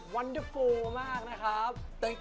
วันเดอร์ฟูมากนะครับ